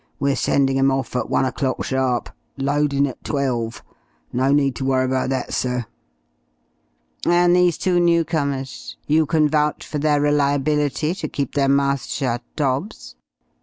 We're sending 'em off at one o'clock sharp. Loadin' at twelve. No need to worry about that, sir." "And these two newcomers? You can vouch for their reliability to keep their mouths shut, Dobbs?